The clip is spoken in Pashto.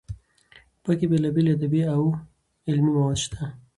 پکې بېلابېل ادبي او علمي مواد شته.